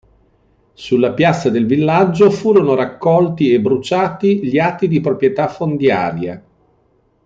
Sulla piazza del villaggio furono raccolti e bruciati gli atti di proprietà fondiaria.